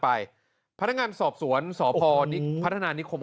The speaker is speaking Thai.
ไปพนักงานสอบสวนสพนิพัฒนานิคม